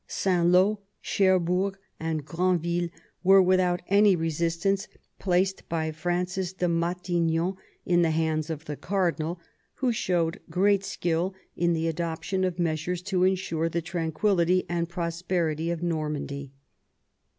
Saint Ld, Cherbourg, and Granville were without any resistance placed by Francis de Matignon in the hands of the cardinal, who showed great skill in the adoption of measures to ensure the tranquillity and prosperity of Normandy.